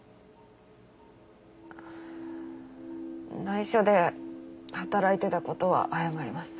内緒で働いてたことは謝ります。